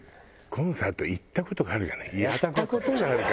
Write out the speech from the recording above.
「コンサート行った事がある」じゃない「やった事がある」。